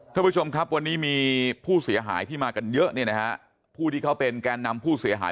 ท่านผู้ชมครับวันนี้มีผู้เสียหายที่มากันเยอะเนี่ยนะฮะผู้ที่เขาเป็นแกนนำผู้เสียหาย